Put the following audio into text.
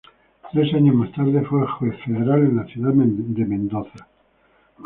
Tres años más tarde fue juez federal en la ciudad de Mendoza.